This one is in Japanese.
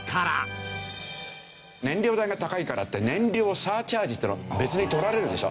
燃料代が高いからって燃料サーチャージっていうのが別に取られるでしょ。